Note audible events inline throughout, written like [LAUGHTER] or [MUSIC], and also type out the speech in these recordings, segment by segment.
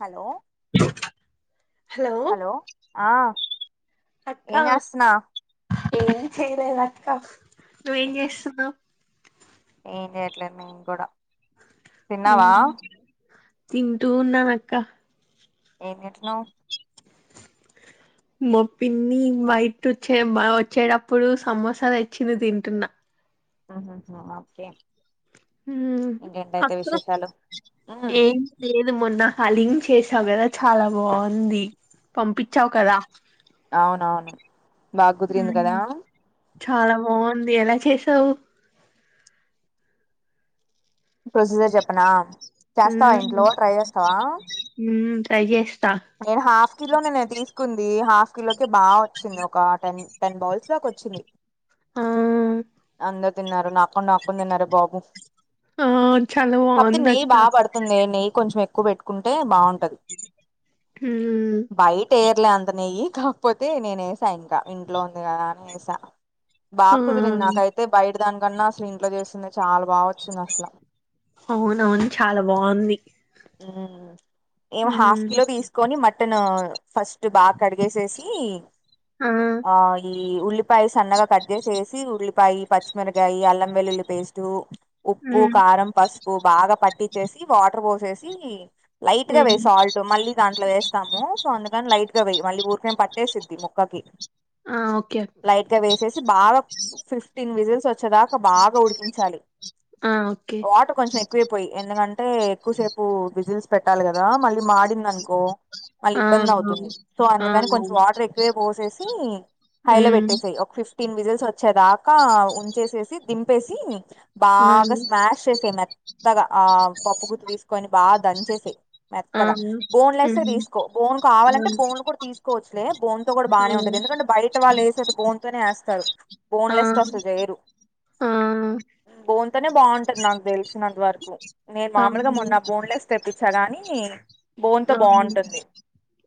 Hello hello ఆ అక్క ఏం జెస్తున్నావ్ నువ్వేం చేస్తున్నావు? ఏం జేయట్లేదు నేం గుడా తిన్నావా తింటూఉన్నానక్క ఏం తింటున్నాం మ పిన్ని బయట నుంచి వచ్చేటప్పుడు సమోస తెచ్చింది తింటున్న ఆహా హా, ఓకే హ్మ్ ఇంకేంటయితే అక్క విశేషాలు ఉమ్, ఏం లేదు మొన్న హలీం చేసావు గదా చాలా బాగుంది పంపిచావు కదా అవునవును బాగుదిరింది కదా మ్మ్. చాలా బావుంది ఎలా చేసావు? ప్రొసీజర్ చెప్పనా? చేస్తావా మ్మ్. ఇంట్లో ట్రై చేస్తావా మ్మ్. ట్రై జేస్ నేను హాఫ్ కిలోనే నే తీసుకుంది హాఫ్ కిలోకి బాగొచ్చింది ఒక్ కటన్ టెన్ బాల్స్ దాకా వచ్చింది. ఆ అంత తిన్నారు నాక్ కుండా నాక్కొని తిన్నారే బాబు, ఆ చాలా కాక్పోతే బాగుంది నెయ్యి అక్క బాగా పడుతుంది నెయ్యి కొంచెం ఎక్ క్కువ పెట్టుకుంటే బాగుంటది మ్మ్. బయటే యట్లే అంత నెయ్యి కాకపోతే నేను ఏసా ఇంకా ఇంట్లో ఉంది కదా అని ఏసా. ఆ, బాకుదిరింది నాక్ బయటి దాని కన్నా అసలు ఇంట్లో చేసిందె చాలా బాగొచ్చింది అసలా అవునవును చాలా బాగుంది మ్మ్ ఏమో హాఫ్ హ్మ్. కిలో తీసుకొని మటనూ ఫస్ ట్ బాగా కడిగేసేసి ఆ! ఆఁ ఈ ఈ ఉల్లిపాయి సన్నగా కట్ చేసి ఏసి ఉల్లిపాయి పచ్చిమిరకాయి అల్లం వెల్లుల్లి పేస్టు ఉప్పు, హ్మ్. కారం, పసుపు బాగా పట్టిచేసి వాటర్ పోసేసి, లైట్ గా హ్మ్. వెయ్ సాల్ట్ మళ్ళీ దాంట్లో వేస్తాము సో అందుకని లైట్ గా వెయ్ మళ్ళీ ఊరికనే పట్టేసిద్ది ముక్కకి ఆ! ఓకే. లైట్ గా వేసేసి బాగా ఫిఫ్టీన్ విజిల్స్ చ్చేదాకా బాగా ఉడికించాలి. ఆ! ఓకే. వాటర్ కొంచెం ఎక్కువే పోయి ఎందుకంటే ఎక్కువసే పు విజిల్స్ పెట్టాలి కదా, మళ్ళీ మాడింది అనుకో మళ్ళీ ఆ! ఇబ్బంది అవుతుంది. అవును. సో ఆ! అందుకని కొంచెం అవును. వాటర్ ఎక్కువే పోసేసి, హై లో హ్మ్. పెట్టేసెయ్ ఒక ఫిఫ్టీన్ విజిల్స్ వ చ్చేదాకా ఉంచేసేసి దింపేసి ఆ! బాగా స్మాష్ చేసేయ్ మె త్తగా ఆ పప్పుగుత్తి తీసు బాగా దంచేసెయ్ ఆ! మెత్తగా బోన్ లెస్సే హ్మ్. తీసుకో బోన్ ఆ! కావాలంటే బోన్ కూడా తీసుకోవచ్చులే, బోన్తో కూడా బాగానే అవును. ఉంటది ఎందుకంటే బయట వాళ్ళు ఏసేది బోన్ తోనే ఏస్తరు. ఆ! బోన్లెస్ తో అసలు చెయరు. ఆ! బోన్ తోనే బాగుంటది నాకు తెలిసినంత వరకు. నేను మామూలుగా అవును. మొన్న బోన్లెస్ తెప్పించా గానీ బోన్ తో అవును. బాగుంటుంది.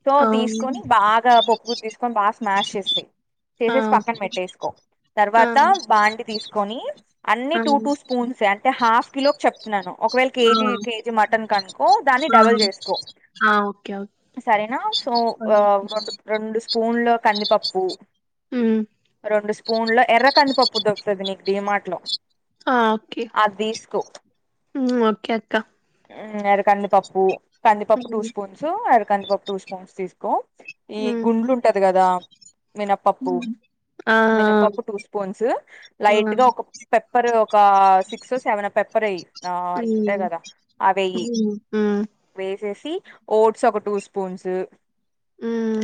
సో తీసుకొని అవును. బాగా పప్పుగుత్తి తీసుకొని బాగా స్మాష్ చేసి ఆ! చేసేసి పక్కన పెట్టేసుకో. ఆ! తర్వాత బాండి తీసుకొని అన్ని టూ, అవును. టూ స్పూన్సే అంటే హాఫ్ కిలోకి చెప్తున్నాను. ఒకవేళ ఆ! కేజీ కేజీ మటన్కనుకో దాన్ని ఆ! డబుల్ చేసుకో. ఆ! ఓకే. ఓకే. సరేనా సో ఓ రొండు రొండ స్పూ మూన్ లో కందిపప్పు హ్మ్. రెండు స్పూన్ల ఎర్ర కందిపప్పు దొరుకుతది నీకు డిమార్ట్ లో, అది తీస్కో మ్మ్ ఓకే అక్క. మ్ ఎర్ర కందిపప్పు కందిపప్పు టూ హ్మ్. స్పూన్స్, ఎర్ర కందిపప్పు టూ స్పూన్స్ తీసుకో, ఈ హ్మ్. గుండ్లుంటది కదా మినప్పప్పు హ్మ్. ఆ! మినపప్పు టూ స్పూన్స్ లైట్ ఆ! గా ఒక పెప్పర్ ఒక సిక్సో, సెవెనో పె ప్పరేయ్ అయి ఉంటయి కదా మ్మ్ ఆఁ న్సేసి ఓట్స్ ఒక టూ స్పూన్సు మ్మ్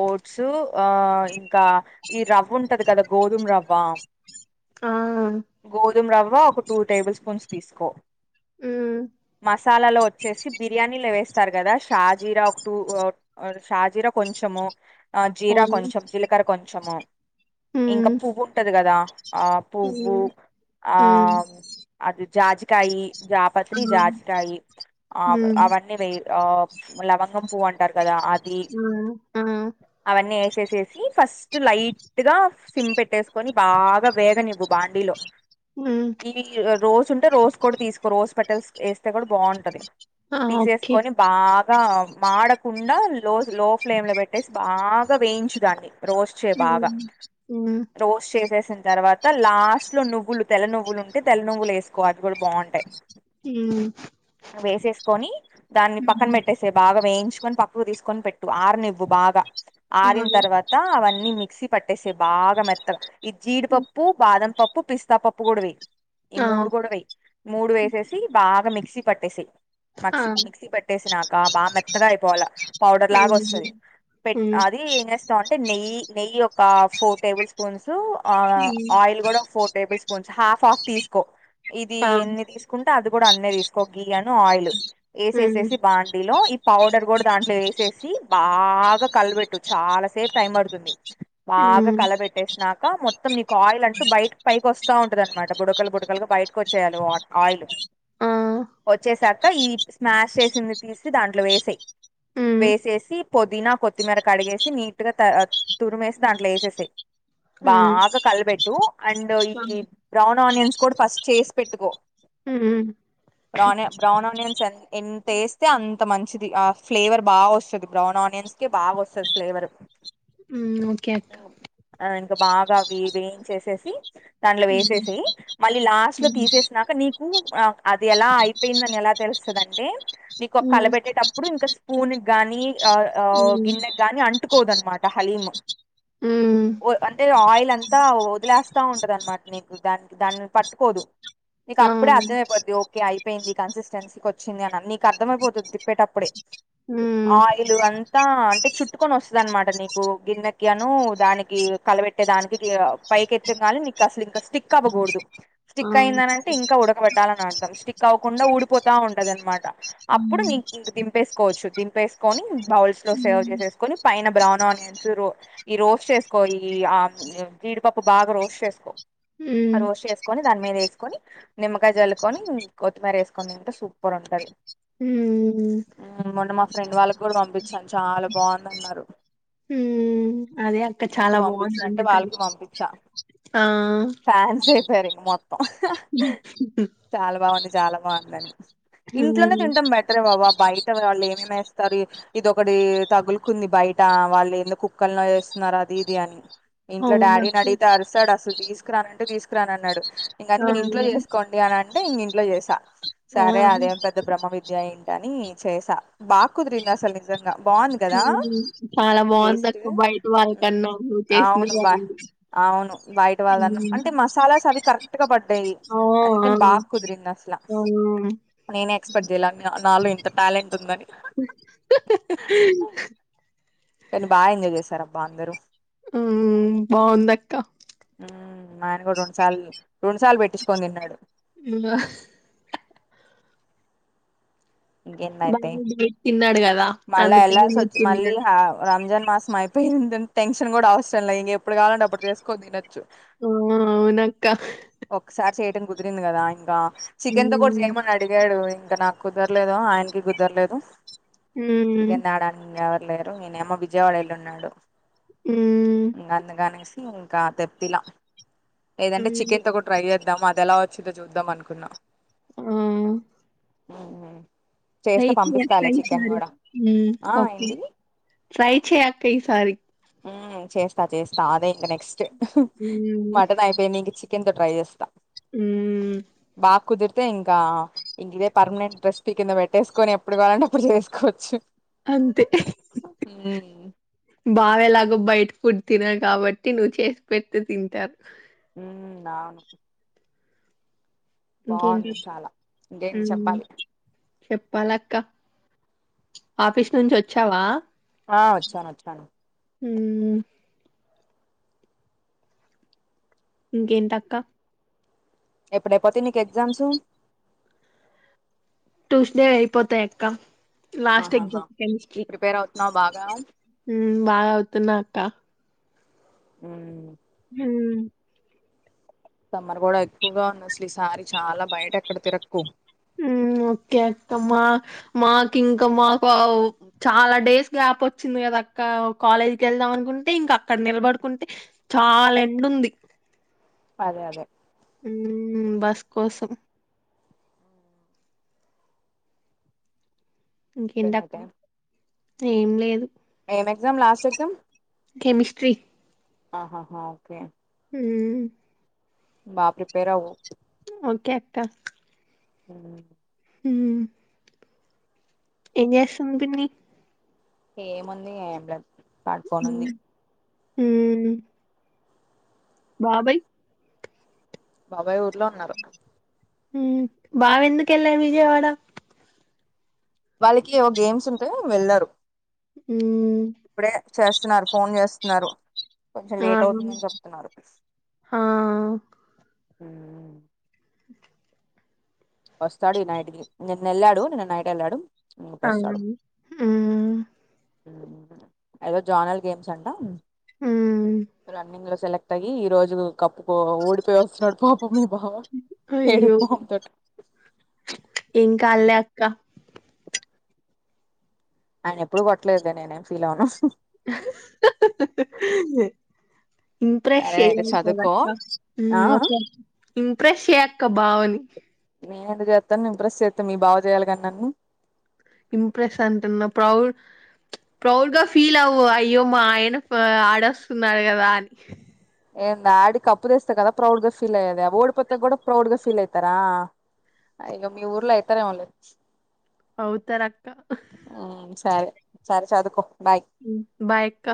ఓట్స్ ఆ ఇంకా ఈ రవ్వ ఉంటది కదా గోధుము రవ్వ ఆ! గోధుమ రవ్వ ఒక టూ టేబుల్ స్పూన్స్ తీసుకో, హ్మ్. సాలాలో వచ్చేసి బిర్యానీలో వేస్తారు కదా షాజీర ఒక టూ షాజీరా కొంచెం ఆ జీరా అవును. కొంచెం, జీలకర కొంచెము, ఇంకా హ్మ్. పువ్వు ఉంటది కదా! ఆ పువ్వు హ్మ్. ఆ హ్మ్. అది జాజికయి జాప ఆ! త్రి జాజికాయి ఆ హ్మ్. అవన్నీ వెయ్ ఆ లవంగం పువ్వంటరు కదా అది ఆ! ఆ! అవన్నీ వేసేసేసి ఫస్ ట్ లైట్ గా సిమ్ పెట్టేసుకొని బాగా వేగనివ్వు బాండీలో, హ్మ్. ఈ రోస్ ఉంటే రోస్ కూడా తీసుకో రోస్ పెటల్స్ ఏస్తే కూడా బావుంటది. ఆ! ఓకే. తీసేసుకొని బా గా మాడకుండా లోజ్, లో ఫ్లేమ్ లో పెట్టేసి బాగా వేయించుదాన్ని. రోస్ట్ చేయ్ హ్మ్. బాగా, హ్మ్. రోస్ట్ చేసేసిన్ తర్వాత్ త లాస్ట్ లో నువ్వులు, తెల్ల నువ్వులు ఉంటే తెల్ల నువ్వులు ఏసుకో అవి గూడా బావుంటాయ్. హ్మ్. వేసేసుకొని దాన్ని పక్కన హ్మ్. పెట్టేసేయ్ బాగా వేయిచ్ చుకొని పప్పు దిసుకొని పెట్టు, ఆరానీవు బాగా ఆ! ఆరిన్ తర్వాత అవన్ న్ని మిక్సీ పట్టేసేయ్ బాగా మెత్తగా, ఈ హ్మ్. జీడిపప్పు, బాదం పప్పు, పిస్తాపప్పు కూడా వేయ్. ఈ ఆ! మూడు కూడా వేయ్, మూడు వేసేసి బాగా మిక్సీ పట్టేసేయ్. ఆ! మాక్ససి, మిక్సీ పెట్టేసినాక బాగా మెత్తగా అయిపోవాల పౌడర్ లాగా వస్తది. హ్మ్. పెట్ హ్మ్. అది ఏం చేస్తాం అంటే నెయ్యి, నెయ్యి ఒక ఫోర్ టేబుల్ స్పూన్సు. ఆ హ్మ్. ఆయిల్ కూడా ఒక four tablespoons half, half తీసుకో ఇది ఆ! ఎన్ని తీసుక్ నది కూడా అనే తీస్కో, గీ అను ఆయిల్ హ్మ్. ఏసేసేసి బాండిలో ఈ పౌడర్ కూడా దాంట్లో వేసే సి బాగా కాలబెట్టు చాలా సేప్ టై పడుతుంది. బాగా హ్మ్. కలబెట్టేసినాక మొత్తం నీకు ఆయిల్ అంటూ బయట్ పై కొస్త్ తా ఉంటదాన్మాట బుడకలు, బుడకలుగా బయట్క్ వచ్చేయాలి వాట్ ఆయిలు, ఆ! వచ్చేసాక ఈ స్మాష్ చేసింది తీసి దాంట్లో వేసేయ్. హ్మ్. వేసేసిప్ పొదీనా కొత్తిమీర కడిగేసి నిట్టుగా, తాత్ తురిమేసి దాంట్లో వేసేసయ్. హ్మ్. బాగా కలబెట్టు అండ్, ఈ ఆ! బ్రౌన్ ఆనియన్స్ కూడా ఫస్ట్ చేసి పెట్టుకో. హుహ్ బ్రాన్య, బ్రౌన్ ఆనియన్స్ ఎన్ ఎంత ఏస్తే అంత మంచిది ఆ ఫ్లేవర్ బాగా వస్తది. బ్రౌన్ ఆనియన్ ఇస్కే బాగ్ వసది ఫ్లేవరు హుం ఓకే అక్క ఇంకా బాగా వి వేయిచేసేసి దాంట్లో హ్మ్. వేసేసాయ్ మళ్ళీ లాస్ట్ లో హ్మ్. తీసేస్ నీకు ఆ అది ఎలా అయిపోయిందని ఎలా తెసలుస్తదంటే, నీకు హ్మ్. కలబెట్టేటప్పుడు ఇంకాస్ పూనుగ్ గాని ఆ ఆవ్ హ్మ్. గిన్నెకి గాని అట్టుకొందు అనమాట హలీం హుహు్ పుహ్ అంటే ఆయిల్ అంతా వదిలేస్తా ఉంటదానమ్మట, నీకు దానికి దాన్ని పట్టుకోదు. నీకు ఆ! అప్పుడే అర్థమయిపోతద్ది ఓకే అయిపోయింది. కన్సిస్టెన్సీకి వచ్చింది అని నీకు అర్థమయిపోతద్ది తిప్పేటప్పుడే. హ్మ్. ఆయిల్ అంతా అంటే చుట్టుకొని వసది అనమాట నీకు గిన్నెకి అను దానికి కల్ప్ ఇట్లా వెట్టే దానికి కియావ్ పైకేంత్తగానే కానీ నీకు అసలు ఇంకా స్టిక్ అవ్వకూడదు ఆ! స్టిక్ అయిందనన్ టింకా ఉడకబెట్టాలని అంటాం. స్టిక్ అవకుండా ఊడిపోతా ఉంటది అనమాట హ్మ్. అప్పుడు నీ నిగ్ దంపేసుకో కొచ్చు దిపేసుకొని, బౌల్సులో సేవా హ్మ్. జేసేసుకొని, పైన బ్రౌన్ ఆనియన్సు రో ఈ రోస్ట్ చేకో ఈ ఆమ్ జీడిపప్పు బాగా రోస్ట్ చేసుకో, ఆ హ్మ్. రోస్ట్ చేసుకొని దాని మీద ఏసుకొని నిమ్మకాయ జలుకొనిం, కొత్తిమీర వేసుకొని తింటే సూపర్ ఉంటది. హ్మ్. హు మొన్న మా ఫ్రెండ్ వాళ్ళకి కూడా పంపించాను చాలా బావుందాన్నారు. హుహ్ అదే అక్క చాలా బావుంది, పంపించినట్టే అందుకని వాళ్ళకి పంపించా ఆ పేరింగ్ మొత్తం చాలా బావుంది, చాలా బావుందడి. ఇంట్లోనే హ్మ్. తింటాం బెటరే ఓవబ్ బయట వాళ్ళు ఏమేమ్ ఎస్తరీ ఇదోకటి తగులుకుంది బయట వాళ్ళు ఎందు కుక్కలనో ఏస్ నారాధింది అని ఇంట్లో డాడీని అవునక్క. అడిగితే అరుసాడు. అసలు తీసుకురానుంటే, తీసుకురాని అన్నాడు. ఇంకందుకే ఆ! నీన్ ఇంట్లో చేసుకోండి అని అంటే ఇంగా ఇంట్లో చేసా. ఆ! సరే హ్మ్. అదేం పెద్ద బ్రహ్మ విద్య ఏంటి అని. చేసా, బా కుదురింది అసల్ నిజన్ బావుంది కదా, చాలా హు బావుందక్క బయట వాళ్ళకన్నా నువ్వు చేసిన అవును బా బావుంది. అవును బయట వాళ్ళనాం, హ్మ్. అంటే మసాలాస్ అవి కరెక్ట్ గా పడ్డాయ్. ఆ! ఆ! అందుకని బాకుదిరింది అస్లా ఆ! నేనే ఎక్స్పెక్ట్ జేయలే అనియన్ నాలో ఇంత టాలెంట్ ఉందని. [UNINTELLIGIBLE] కానీ బాగా ఎంజాయ్ చేసారబ్బ అందరూ ఉమ్ బాగుందక్క ఉమ్ ఆయన కూడా రెండు సార్లు రెండు సార్లు పెట్టించుకోని తిన్నాడు హ్మ్. [UNINTELLIGIBLE] మళ్ళ అందుకని మీరు ఏళ్లాసోచ్చి మళ్ళి తిన్నారు. రంజాన్ మాసమయిపోయి అయిపోయిందని టెన్షన్ కూడా అవసరం లే ఇంక ఎప్పుడు కావాలంటే అప్పుడు చేసుకోని తినచ్చు ఊ అవునక్క ఒక్కసారి చేయటం కుదిరింది కదా ఇంకా చికెన్ తో కూడా హ్మ్. చేయమని అడిగాడు ఇంకా నాకు కుదరలేదు ఆయనకి కుదరలేదు హ్మ్. చికెన్ తేడానికి ఎవరి లేరు ఈనేమో విజయవాడ వెళ్ళి ఉన్నాడు హ్మ్. ఇంకా అందుగనేసి ఇంకా తెప్పిలా లేదంటే హ్మ్. చికెన్ తో కూడా ట్రై చేద్దాము అది ఎలా వచ్చుద్దో చూద్దాం అనుకున్నా ఉమ్ [INAUDIBLE] చేస్తే పంపిస్తాలే చికెన్ కూడా ఉమ్ ఆ ఒకే ఏంటి ట్రై చేయ్ అక్క ఈసారి ఆ చేస్తా చేస్తా అదే ఇంకా నెక్స్ట్ హ్మ్. మటన్ అయిపోయింది ఇంక చికెన్తో ట్రై చేస్తా హ్మ్. బా కుదిరితే ఇంకా ఇక ఇదే పర్మనెంట్ రెసిపీ కింద పెట్టేసుకొని ఎప్పుడు కావాలంటే అప్పుడు చేసుకోవచ్చు అంతే ఉమ్ బావేలాగో బయట ఫుడ్ తినరు కాబట్టి నువ్వు చేసి పెట్టు తింటారు ఉమ్ అవును ఇంకేంటి బాగుంది చాలా ఇంకేంటి ఉమ్ చెప్పాలి చెప్పాలక్క ఆఫీస్ నుంచి వచ్చావా ఆ వచ్చాను వచ్చాను ఉమ్ ఇంకేంటక్క ఎప్పుడైపోతయి నీకు ఎగ్జామ్స్ ట్యూస్డే అయిపోతాయి అక్క లాస్ట్ ఆహాహా ఎగ్జామ్ కెమిస్ట్రీ ప్రిపేర్ అవుతున్నావు బాగా ఉమ్ బా చదువుతున్నాక్క ఉమ్ ఉమ్ సమ్మర్ కూడా ఎక్కువగా ఉంది అసలు ఈసారి చాలా బయట ఎక్కడ తిరక్కు ఉమ్ ఓకే అక్క మా మాకు ఇంకా మాకు చాలా డేస్ గ్యాప్ వచ్చింది కదక్క కాలేజీకి వెళ్దా అనుకుంటే ఇంకా అక్కడ నిలబడుకుంటే చాలా ఎండుంది అదే అదే ఉమ్ బస్ కోసం ఇంకేంటక్క అయిపోయిందయితే ఏం లేదు ఏం ఎగ్జామ్ లాస్ట్ ఎగ్జామ్ కెమిస్ట్రి ఆహాహా ఓకే ఉమ్ బా ప్రిపేర్ అవు ఓకే అక్క [INAUDIBLE] ఉమ్ ఏం చేస్తుంది పిన్ని ఏముంది సఏం లేదు పడుకోని ఉంది ఉమ్ బాబాయి బాబాయ్ ఊర్లో ఉన్నారు ఉమ్ బావ ఎందుకెళ్లాడు విజయవాడ వాళ్ళకి ఏవో గేమ్స్ ఉంటే వెళ్లరు ఉమ్ ఇప్పుడే చేస్తున్నారు ఫోన్ చేస్తున్నారు కొంచెం ఆ లేట్ అవుతుందని చెప్తున్నారు ఉ ఉ వస్తాడు ఈ నైటికి నిన్న వెళ్ళాడు నిన్న నైట్ వెళ్ళాడు ఇప్పుడు అవుని ఉమ్ ఉహు ఏదో జానల్ గేమ్స్ అంట మ్మ్ రన్నింగ్ లో సెలెక్ట్ త్తగి ఈ రోజు కప్పుకో ఓడిపోయి వస్తున్నాడు పాపం మీ బావ ఏడిపు మొహంతోటి ఇంకా అల్లే అక్క ఆయన ఎప్పుడు కొట్టలేదు లే నేనేం ఫీల్ అవను ఇంప్రెస్ సరేనయితే చేయాలి కదా చదువుకో అక్క ఆ ఉమ్ ఓకే ఇంప్రెస్ చెయ్ అక్క బావని నేను ఎందుకు చేస్తాను ఇంప్రెస్ చేస్తే మీ బావ చేయాలి గని నన్ను ఇంప్రెస్ అంటున్న ప్రౌడ్ ప్రౌడ్ గా ఫీల్ అవ్వు అయ్యో మా ఆయన ఫా ఆడస్తున్నారు కదా అని ఏంది ఆడి కప్పు తెస్తే కదా ప్రౌడ్ గా ఫీల్ అయేది ఓడిపోతే కూడా ప్రౌడ్గా ఫీల్ అయితారా అయిక మీ ఊర్లో అయితారు ఏమో లే అవుతారు అక్క ఉ సరే సరే చదువుకో బాయ్ ఉ బాయ్ అక్క